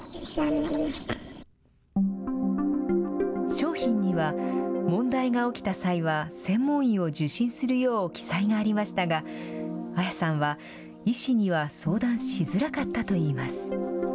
商品には問題が起きた際は専門医を受診するよう記載がありましたがあやさんは、医師には相談しづらかったと言います。